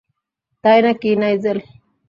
তাই নাকি, নাইজেল?